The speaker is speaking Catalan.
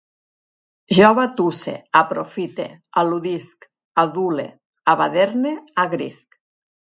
Jo batusse, aprofite, al·ludisc, adule, abaderne, agrisc